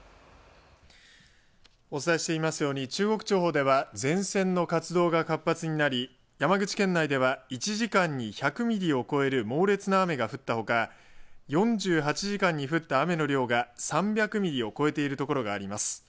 お伝えしていますように中国地方では前線の活動が活発になり山口県内では１時間に１００ミリを超える猛烈な雨が降ったほか４８時間に降った雨の量が３００ミリを超えているところがあります。